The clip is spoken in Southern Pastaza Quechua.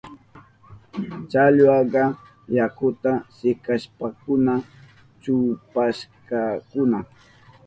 Challwakunaka yakuta sikashpankuna kuchpashkakuna.